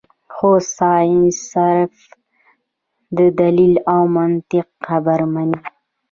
خو سائنس صرف د دليل او منطق خبره مني -